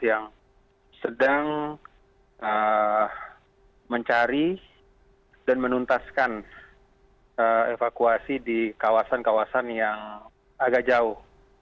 yang sedang mencari dan menuntaskan evakuasi di kawasan kawasan yang agak jauh